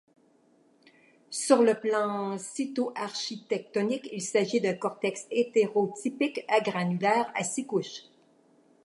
Sur le plan cytoarchitectonique, il s'agit d'un cortex hétérotypique agranulaire à six couches.